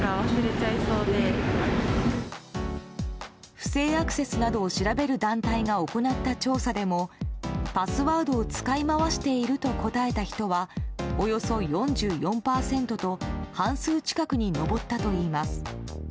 不正アクセスなどを調べる団体が行った調査でもパスワードを使い回していると答えた人はおよそ４４％と半数近くに上ったといいます。